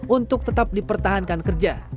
untuk tetap dipertahankan kerja